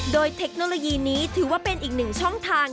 โดยเทคโนโลยีนี้ถือว่าเป็นอีกหนึ่งช่องทาง